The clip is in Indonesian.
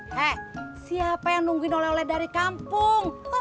hei siapa yang nungguin oleh oleh dari kampung